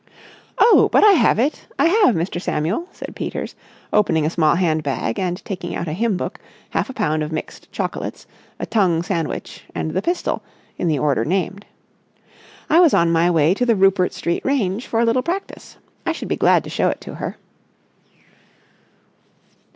"Oh, but I have it! I have, Mr. Samuel!" said Peters, opening a small handbag and taking out a hymn book, half a pound of mixed chocolates, a tongue sandwich, and the pistol, in the order named. "I was on my way to the Rupert Street range for a little practice. I should be glad to show it to her."